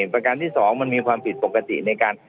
ประการที่๒มันมีความผิดปกติในการ